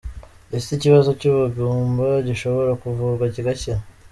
Ese ikibazo cy’ubugumba gishobora kuvurwa kigakira?.